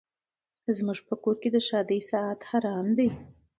زموږ په کور کي د ښادۍ ساعت حرام دی